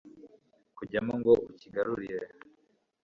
kujyamo ngo ucyigarurire